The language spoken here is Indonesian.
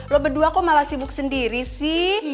lo berdua kok malah sibuk sendiri sih